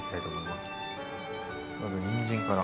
まずにんじんから。